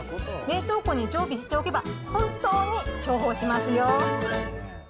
冷凍庫に常備しておけば、本当に重宝しますよ。